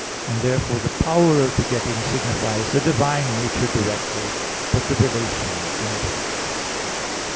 And therefore the power of begetting signifies the divine nature directly, but the relation indirectly.